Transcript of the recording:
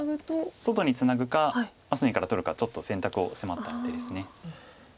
外にツナぐか隅から取るかちょっと選択を迫った手です。